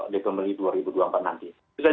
di pemilih dua ribu dua puluh empat nanti